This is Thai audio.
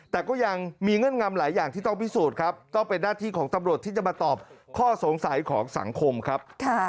แต่ก็ยังมีเงื่อนงำหลายอย่างที่ต้องพิสูจน์ครับต้องเป็นหน้าที่ของตำรวจที่จะมาตอบข้อสงสัยของสังคมครับ